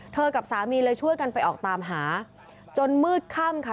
กับสามีเลยช่วยกันไปออกตามหาจนมืดค่ำค่ะ